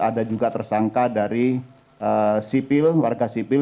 ada juga tersangka dari sipil warga sipil